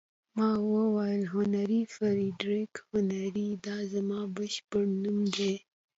ما وویل: هنري، فرېډریک هنري، دا زما بشپړ نوم دی.